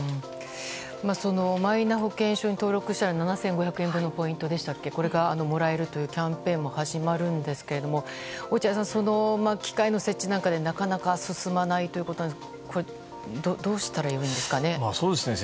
マイナ保険証に登録したら７５００円分のポイントがもらえるというキャンペーンも始まるんですが落合さん、機械の設置などでなかなか進まないということでこれはどうしたらいいですかね。